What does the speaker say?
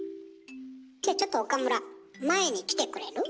じゃちょっと岡村前に来てくれる？